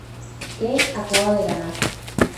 Él acaba de ganar.